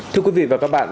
thưa quý vị và các bạn